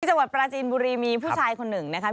จังหวัดปราจีนบุรีมีผู้ชายคนหนึ่งนะครับ